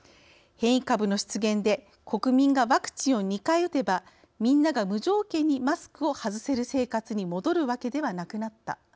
変異株の出現で国民がワクチンを２回打てばみんなが無条件にマスクを外せる生活に戻るわけではなくなった。